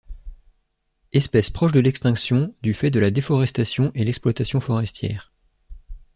Espèce proche de l'extinction du fait de la déforestation et l'exploitation forestière.